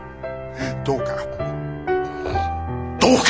どうかどうか！